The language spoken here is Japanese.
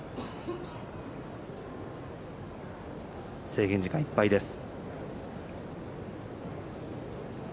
制限時間いっぱいです。